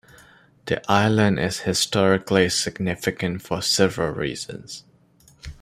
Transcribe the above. The island is historically significant for several reasons.